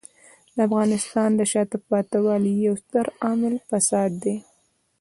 د افغانستان د شاته پاتې والي یو ستر عامل فساد دی.